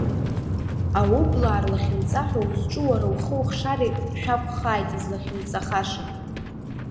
Аублаа рлахьынҵа ҳәа узҿу уара ухи ухшареи шәакәхааит излахьынҵахаша.